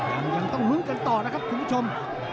ยังต้องลุ้นกันต่อนะครับคุณผู้ชม